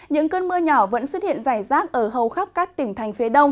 những cơn mưa nhỏ vẫn xuất hiện rải rác ở hầu khắp các tỉnh thành phía đông